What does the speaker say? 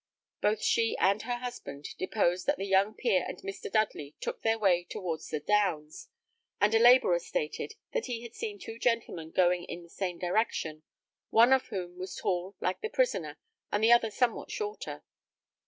Both she and her husband deposed that the young peer and Mr. Dudley took their way towards the Downs, and a labourer stated that he had seen two gentlemen going on in the same direction, one of whom was tall like the prisoner, and the other somewhat shorter.